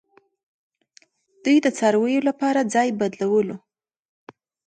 دوی د څارویو لپاره ځای بدلولو